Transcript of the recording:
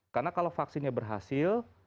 karena kalau vaksinnya berhasil